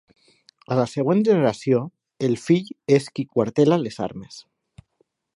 A la següent generació, el fill és qui quartela les armes.